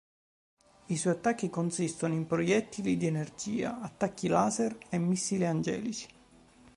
I suoi attacchi consistono in proiettili di energia, attacchi laser e missili angelici.